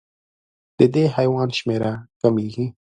د دې حیوان شمېره کمېږي.